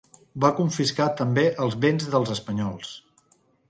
Va confiscar també els béns dels espanyols.